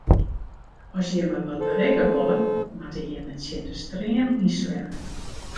As jimme wat berikke wolle, moatte jimme tsjin de stream yn swimme.